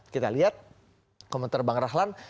kita lihat komentar bang rahlan